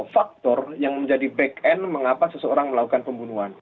faktor yang menjadi back end mengapa seseorang melakukan pembunuhan